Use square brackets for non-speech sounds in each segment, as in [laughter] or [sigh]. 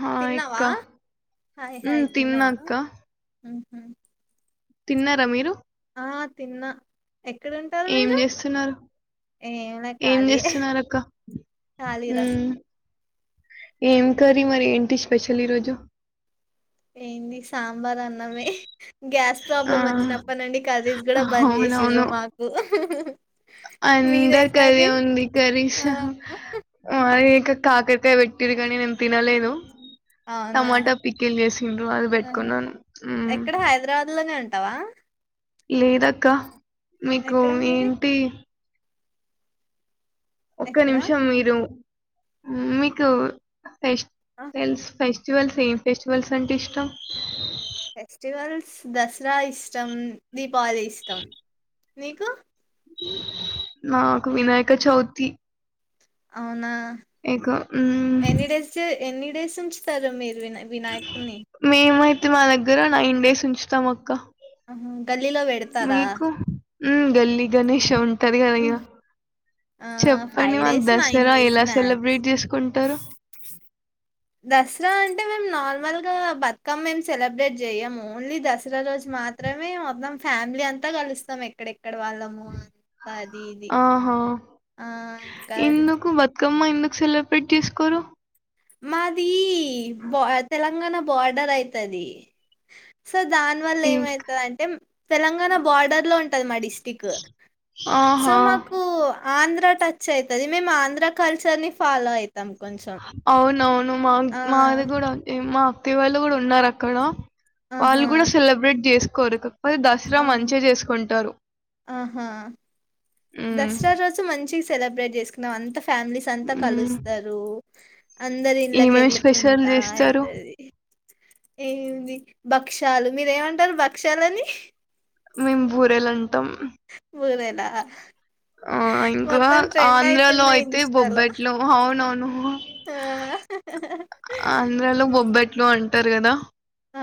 Hi తిన్నవా అక్క hi um, hi తిన్నా తిన్నవా అక్క ఉహ్మ్ తిన్నారా మీరు ఆ తిన్నా ఎక్కడుంటారు ఏం మీరు చేస్తున్నారు ఏంలే ఏం ఖాళీయే చేస్తున్నారు అక్క ఖాళీరా ఉమ్ ఏం కరీ మరి ఏంటి స్పెషల్ ఈరోజు ఏందీ సాంబార్ అన్నమే గ్యాస్ ఆ, ప్రాబ్లమ్ వచ్చినప్పనుండి కరీస్ కూడా బంద్ చేసిరు మాకు అందరీ మీదేం కదే కర్రీ ఉంది కరీస్ ఆ మరి కా కాకరకాయ పెట్టిరు గానీ నేను తినలేను అవునా టమాటా పికిల్ చేసిండ్రు అది ఆహా పెట్టుకున్నాను ఉమ్ తవా లేదక్క మీకు ఎక్కడ మరి ఏంటి ఒక్క ఎక్కడ నిమిషం మీరు మీకు ఆ ఫెస్ట్వెల్స్ ఫెస్ స్టివల్స్ ఏం ఫెస్టివల్స్ అంటే ఇష్టం ఫెస్టివల్స్ దసరా ఇష్టం దీపావళి ఇష్టం నీకు నాకు వినాయక చౌతి అవునా ఎకొ ఉమ్ ఎన్ని డేస్ ఎన్ని డేస్ ఉంచుతారు మీరు వినా వినాయకున్ని తే మా దగ్గర నైన్ డేస్ ఉంచుతాం అక్క ఉమ్ గల్లీలో పెడతారా ఉమ్ గల్లీ గణేష ఉంటాది గద ఇగ ఆ! చెప్పండి మాకు డేస్, దసరా డేస్ ఎలా మ్యాక్స్. సెలబ్రేట్ చేసుకుంటారు దసరా అంటే మేము నార్మల్ గా బతుకమ్మ ఎం సెలబ్రేట్ చెయము ఓన్లీ దసరా రోజు మాత్ మాత్రమే మొత్తం ఫ్యామిలీ అంతా కలుస్తాం ఎక్కడెక్కడ వాళ్ళము అంత అది ఇది ఆహా ఆహ్ ఇంకా అదే సిద్ కమ్మ ఎందుకు సెలబ్రెట్ చేసుకోరు మాది బ తెలంగాణ బార్డర్ అయితది స్ సొ దాని వల్ల ఏ ఏమైతదంటే తెలంగాణ బార్డర్ లో ఉంటది మా డిస్టిక్ సొ ఆహా మకూ ఆ ఆంధ్ర టచ్ అయితది మేము ఆంధ్ర కల్చర్ని ఫాలో అయితం కొంచెం అవునవును మా ఆ! మాది గూడా ఉంది మా అత్తయ్య వాళ్ళు గూడా ఉన్నారు అక్కడ ఆహా! వాళ్ళు గూడా సెలబ్రేట్ చేసుకోరు కాకపోతే దసరా ఆ! మంచిగా చేసుకుంటారు ఆహా మ్మ్ దసరా రోజు మంచిగ సెలబ్రేట్ చేసుకున్నం అంత ఫ్యామిలీస్ అంతా మ్మ్ కలుస్తరూ అందరి ఏమేమి స్పెషల్ ఇండ్లకెళ్ళుకుంటా చేస్తారు అయితది ఏముంది భక్షాలు మీరేమంటరు భక్ష్యాలని మేము బూరేలు అంటాం బురెలేనా ఆ ఇంకా ఆంధ్రాలో అయితున్నాయి అయితే ఇన్‌స్టాలో. బొబ్బెట్లు అవునవును ఆ! ఆంధ్రాలో హ్మ్. బొబ్బెట్లు అంటారు గదా ఆ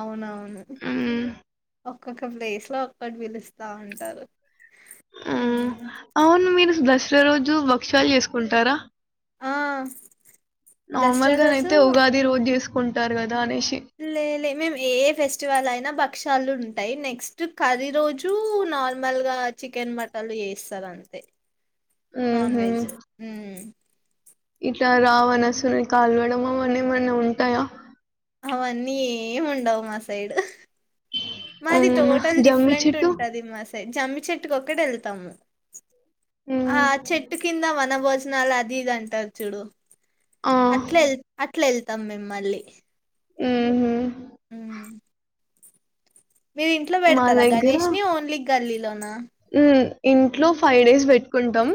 అవునవ్ మ్ ఒక్కొక్క ప్లేస్ లో ఒక్కటి పిలుస్తా ఉంటారు ఆ హ్మ్. అవును మీరు దసరా రోజు భక్షాలు చేసుకుంటారా ఆ దసరా నార్మల్గానైతే రోజు ఉగాది రోజు చేసుకుంటారు గద్ లే లే మేము ఏ ఫెస్టివల్ అయినా భక్షాలు ఉం టాయ్ నెక్స్ట్ కర్రీ రోజు నార్మల్ గా చికెన్ మటన్లు చేస్తరు అంతే నాన్ వెజ్ హు మ్ ఇట్ల రావణాసురుని కాలువడం అవన్నీ ఏమన్న ఉంటయా అవన్నీ ఏం ఉండవు మా సైడ్ మాది అవునా టోటల్ జమ్మి డిఫరెంట్ చెట్టు ఉంటది మా సైడ్ జేమ్మి చెట్టు ఒక్కొటేళ్తాము అ మ్మ్. చెట్టు కింద వన్ వన భోజనాలు అది ఇదంటారు చూడు ఆ అట్లే అట్లేల్ తమ్ మేమ్ మళ్ళీ మ్ హు మ్ మీరు ఇంట్లో మా పెడుతరా గణేష్ ని ఓన్లీ గల్లీలోనా మ్ ఇంట్లో ఫై డేస్ పెట్టుకుంటం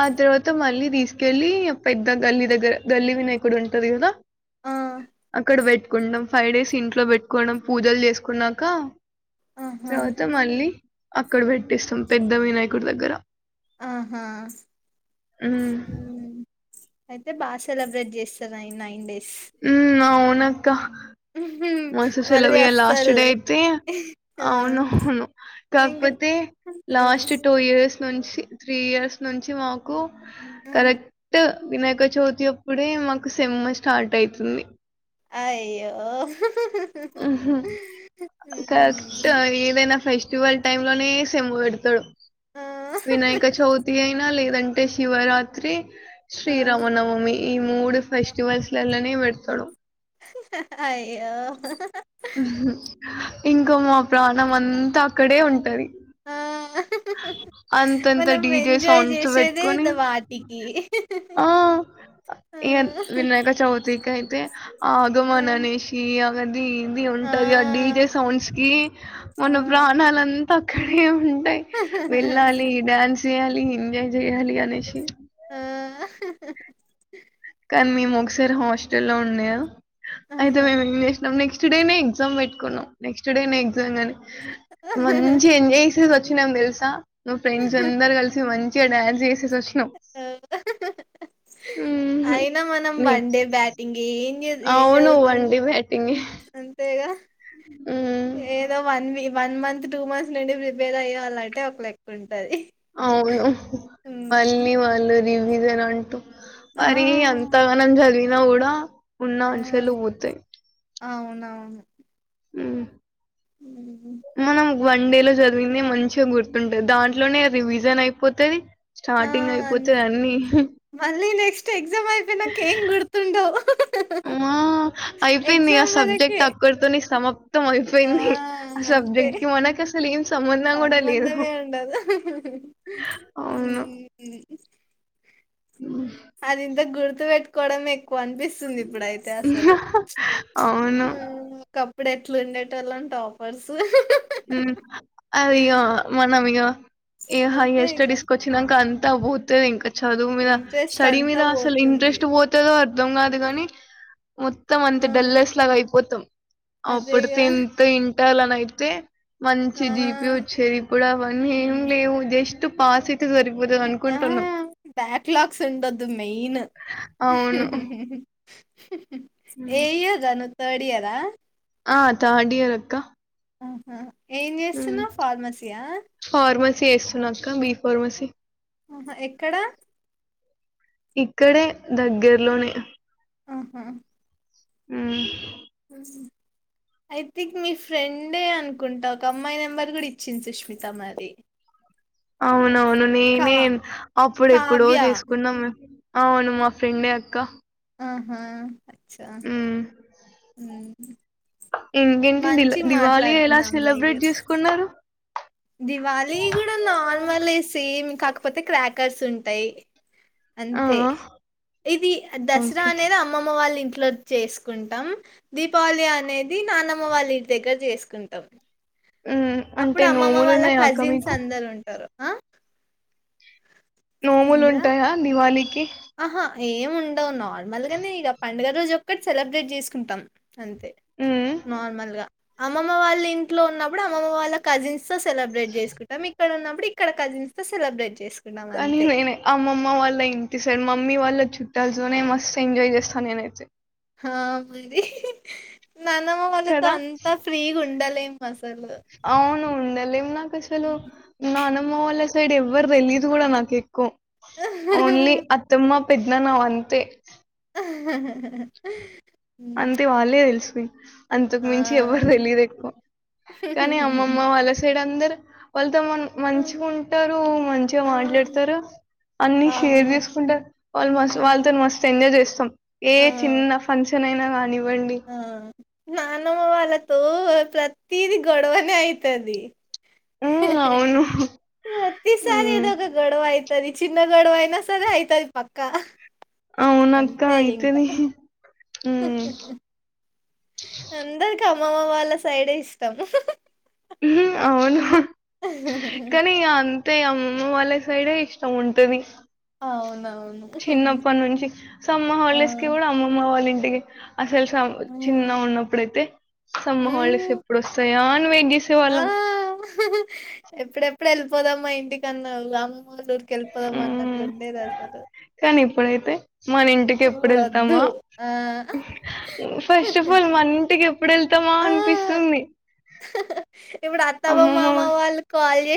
ఆ తర్వాత మళ్ళీ తీసుకెళ్ళి పెద్ద గల్లీ దగ్గర గల్లీ వినాయకుడు ఉంటది గదా ఆ! అక్కడ పెట్టుకుంటం ఫై డేస్ ఇంట్లో పెట్టుకోడం పూజలు చేసుకున్నాక ఆహా! తర్వాత మళ్ళీ అక్కడ పెట్టెస్తాం పెద్ద వినాయకుడి దగ్గర ఆహా మ్ అయితె బా సెలబ్రేట్ చేస్తరైన నైన్ డేస్ హు మ్ అవునక్క మస్త్ మళ్ళీ సెలెబ్ ఇగ లాస్ట్ డే వస్తారులే ఐతే ఆ అవునవును ఇంక కాకపోతే హ్మ్ లాస్ట్ టూ ఇయర్స్ నుంచి త్రీ ఇయర్స్ నుంచి మాకు హ్మ్ కరెక్ట్ వినాయక చవితి అప్పుడే మాకు సేమ్మ్ స్టార్ట్ అయితుంది అయ్యో కరెక్ట్ హ్మ్ ఏదైనా ఫెష్ స్టివల్ టైం లనే సేమ్మ్ పెడుతాడు ఆ వినాయక చవితి అయినా లేదం టే శివరాత్రి ఆ శ్రీరామనవమి ఈ మూడు ఫెస్టివల్స్లానే పెడతడు అయ్యో ఇంక మా ప్రాణం అంతా అక్కడే ఉంటది ఆ అంతంత మనం డీజే ఎంజాయ్ సౌండ్స్ చేసేదే పెట్టుకొని ఇదె వాటికి ఆ ఇగ వినాయక చవితికి అయితే ఆ ఆగమన్అనేసి అది ఇ ఇది ఉంటది ఆ డీజే సౌండ్స్ కి ఆ మన ప్రాణాలు అంత అక్కడే ఉంటయ్ వెళ్ళాలి డ్యాన్స్ చేయాలి ఎంజాయ్ చేయాలి అనేశి ఆ కానీ మేము ఒకసారి హాస్టల్ ఉన్నయ అయితే ఆ. మేము ఏం చేసినం నెక్స్ట్ నెక్స్ట్ డేనే ఎగ్జామ్ పెట్టుకునం నెక్స్ట్ డేనే ఎగ్జామ్ అని మంచి ఎంజాయ్ చేసెసి ఓచ్ చ్చినం తెలుసా మా ఫ్రెండ్స్ అందరు కలిసి మంచి డాన్స్ చేసి వచ్చినం అయిన మనం వన్ డే బ్యాటింగ్ ఏ ఏం అవును చదుతం వన్డే బ్యాటింగే అంతేగా ఏదో వన్ వి వన్ మంత్ టూ మంత్స్ నుండి ప్రిపేర్ అయ్యేలాంటే ఒక లెక్క ఉంటంది అవును ఉమ్ మళ్ళీ వాళ్ళు రివిజన్ అంటూ ఆ మరి అంతగనం చదివిన కూడ ఉన్న ఆ ఆన్సర్లు పొతయ్ అవునవును ఉ ఉమ్ మనం వన్ డే లో చదివింది మంచిగా గుర్తుంటది దాంట్లొనే రివిజన్ అయిపోతది ఆ స్టార్టింగ్ అన్- అయిపొతది అన్నీ మళ్ళీ నెక్స్ట్ ఎగ్జామ్ అయితేయ్ నాకు ఏం గుర్త్ ఉండవ్ అయిపొయింది ఆ సబ్జెక్ట్ అక్కడితొనె సమప్ మోత్తం ఆ అయిపోయింది. ఆ అంతే సబ్జెక్ట్ కి మనక్ అసలు ఏం సంబంధం కూడ లేదు సంబంధమే ఉండదు అవును ఉమ్ ఉ అదింత గుర్తు పెట్టుకొడమే క్కువ అనిపిస్తుంది ఇప్పుడయితే అసలు అవును. అప్పుడు ఎట్ల ఉండేటోళ్ళం అంట టాపర్సు న ఏ హైయర్ అంతేగా స్టడీస్ కి వచ్చినాక అంత ఉత్తదె ఇంకా చదువు మీద ఇంట్రెస్ట్ స్టడీ అంతా మీద అసలు పోతుంది ఇంట్రెస్ట్ పోతదొ అర్ధం కాదు ఆ గని మొత్తం అంత ఆ డల్లర్స్ లాగా అయిపొతం అప్పుడు అదేగా టెన్త్ ఇ పెట్టాలనియితే మంచి ఆ జీపి వచ్చేది ఇప్పుడు అవన్నీ ఏం ఉమ్, లేవు జస్ స్ట్ పాస్ అయితే సరిపోతది ఆ ఆ అనుకుంటున్నాం. బ్యాక్లాగ్స్ ఉండొదు మెయిన్ అవును. ఏ హ్మ్. ఇయర్ రా నువ్ తార్డ్ ఇయరా ఆ తార్డ్ ఇయర్ అక్క ఆహా ఏం చెస్తునవ్ ఫార్మసీ ఆ చేస్తున్న అక్క బి ఫార్మసి ఆహ ఎక్కడ ఇక్కడే దగ్గర లోనే ఆహా ఉ ఉం ఐ థింక్ మీ ఫ్రెండే అనుకుంట ఒక అమ్మాయి నెంబర్ కూడ ఇచ్చింది సుష్మిత మరి అవునవును కా నేనే అప్పుడు ఎప్పుడో కావ్య తిసుకున్నాం అవును మా ఫ్రెండే అక్క ఆహా అచ్చా ఉమ్ మ్ ఇంకేంటి దిల దివాళి ఎలా మాట్లాడుతుంది ఆ అమ్మాయి సెలబ్రేట్ కూడా చేసుకున్నరు దివాళీ కూడ నార్మలే సేమ్ కాకపోతే క్రాకర్స్ ఉంటయ్ ఆ అంతే ఆ ఇది ఆ దసరా ఓకే అనేది అమ్మమ్మ వాళ్ళ ఇంటి ఇట్లా చేసుకుంటాం దీపావళి అనేది నానమ్మ వాళ్ళ ఇంటి దగ్గర చేసుకుంటాం ఉమ్ అంటే అపుడు అమ్మమ్మ నోములు వాళ్ళ ఉన్నాయా అక్క కజిన్స్ మీకు అందరు ఉంటారు ఆ నోములు ఏందిరా ఉంటాయా దివాళికి ఆహా ఏం ఉండవ్ నార్మల్ గానే ఇగ పండగ రోజు ఒకట్ సెలెబ్రేట్ చేసుకుంటాం అంతే ఉమ్ నార్మల్ గా అమ్మమ్మ వాళ్ళ ఇంట్లో ఉన్నప్పుడు అమ్మమ్మ వాళ్ళ కజిన్స్ సో సెలబ్రేట్ చేసుకుంటాం ఇక్కడ ఉన్నప్పుడు ఇక్కడ కజిన్స్ తో సెలబ్రేట్ చేసుకుంటాం అం నేనె అమ్మమ్మ వాళ్ళ ఇంటి సైడ్ మమ్మీ వాళ్ళ చుట్టాలు తోనే మస్తు ఎంజాయ్ చేస్తాను నేనైతే హా మరి నానమ్మ వాళ్ళతో కదా అంతా ఫ్రీగా ఉండాలేము అసలు అవును ఉండలేము అసలు నాకు అసలు నాన్నమ్మ వాల్ సైడ్ ఎవరు తెలియదు కూడా నాకు ఎక్కువ ఓన్లీ అత్తమ్మ పెద్దనాన వాఅంతే [inaudible] అంతె వాళ్ళే తెలుసు అంతకు ఆ మించి ఎవ్వరు తెలియదు ఎక్కువ కానీ అమ్మమ్మ వాళ్ళ సైడ్ అందరు వాళ్ త మ మంచిగుంటారు మంచిగా మాట్లాడుతారు అన్ని ఆ షేర్ అవును. చేసుకుంటారు వాళ్ళు మ ఆ వాళ్ళతో మస్త్ ఎంజాయ్ చేస్ ఏ ఆ చిన్న ఫంక్షన్ అయినా గని ఆ నానమ్మ వాళ్ళతో ప్రతిది గొడవనే అయితది ఉమ్ అవును ప్రతిసారి ఉమ్ ఎదో ఒక గొడవ అయితది చిన్న గొడవ అయి నాసారె అయితది పక్క అవునక్క అంతే ఇంకా అయితది ఉమ్ [inaudible] అందరికి అమ్మమ్మ వళ్ళ సైడే ఇష్టం మ్ అవును కానీ ఇగ అం తే అమ్మమ్మ వాళ్ళ సైడే ఇష్టం ఉంటది అవునవ్ చిన్నప్పటి నుంచి సమ్మర్ ఆ హాలిడేస్ కి కుడా అమ్మమ్మ వాళ్ళ ఇంటికి అసలు స చిన్న ఉన్నపుడైతే సమ్మర్ హాలిడేస్ హ్మ్ ఎప్పుడోస్తాయా అన్ ఆ ఎప్పుడెప్పుడు వెళ్ళిపోదామ్మా ఇంటికన్నా అమ్మల్ కెళ్పోపొదామాన్నట్లు ఉండేది అసలు ప్పుడైతే మన ఇంటికేప్పుడు ఇప్పుడు వద్దు వెళ్తామా ఆ ఫస్ట్ అఫ్ ఫాల్ మన ఇంటికేప్ ప్పుడేళ్తామా ఆ అనిపిస్తుంది అమ్మమ్మ వాల్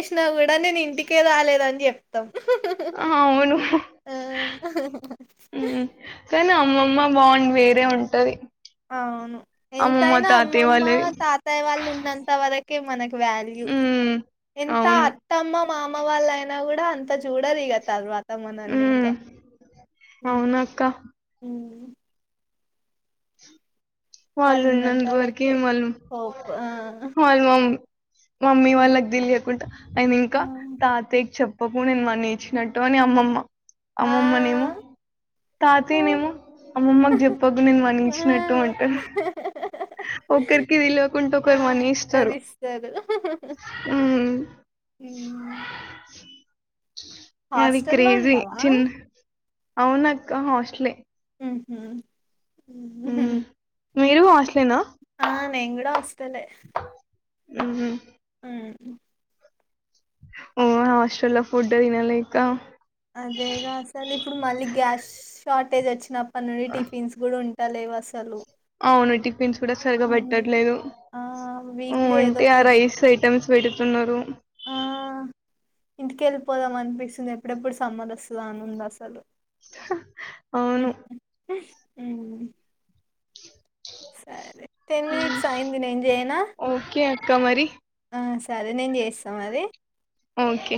చ్చిన కూడా నేను ఇంటికె రాలేదని చెప్తాం ఆ ఆవును ఆ మ్ కాన్ అం మ్మమ్మ బాండ్ వేరె ఉంటది అవును అమ్మమ్మ ఎంతైనా తాతయ్య అమ్మమ్మ వాళ్ళది తాతయ్య వాళ్ళు ఉన్నంత వరకే మనక్ వాల్యూ మ్మ్ ఎంత అవును అత్తమ్మ మ మామ వాళ్ళైనా కూడా అంత చూడరు ఇగ తర్వత్ త మ్మ్ మనలింకా హు మ్ అవునక్క మ్ వాళ్ళు ఉన్నంత ఉన్నంతవరికే వరకే వాళ్ళు హోప్ ఆ వాళ్ళు మమ్ మమ్మీ వాళ్ళక్ తెిలియకుండా అండ్ ఆ ఇంకా తాతయ్యకి చెప్ ప్పకు నేను మనీ ఇచ్చినట్టు అని అమ్మమ్మ ఆ అమ్మమ్మనేమో తాతయ్యనేమో అమ్మమ్మకు చెప్పకు నేను మనీ ఇచ్చినట్టు అం హహహ ఒకరికి తెల్వకుండా ఒకరు మనీ ఇస్తారు కదిస్తారు మ్మ్ హ్మ్మ్ అది క్రేజి చిన్న అవ్నక్క హాస్ట్లే ఉహు హుహుహు మ్మ్ మీరు హస్ట్ ఆ నేన్ గుడా హస్టలే ఉహు ఊ ఓ హాస్టలో ఫుడ్ తినలేక అదేగా అసల్ ఇప్పుడు మళ్ళీ గ్యాస్ షార్టేజ్ వచ్చినప్పట్ నుండి టిఫిన్స్ గూడుంట్ టలెవసలు అవ్ను టిఫిన్స్ కూడా సరిగా పెట్టట్లేదు. ఆ ఉ వీక్లీ ఏదో అంటే ఆ టూ త్రీ రైస్ ఐటమ్స్ పెడుతున్నారు ఆ ఇంటికెళ్ళి పోదాం అన్పిస్తుంది. ఎప్పుడెప్పుడ్ సమ్మరొస్తాద అనుందసలు అవును ఉమ్ సరే టెన్ మినిట్స్ ఐంది నేన్ జైనా ఓకే అక్క మరి ఆ స్ సరే నేన్ జేస్తా మరి ఓకే